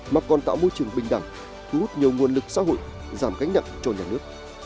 mà còn tạo môi trường bình đẳng thu hút nhiều nguồn lực xã hội giảm gánh nặng cho nhà nước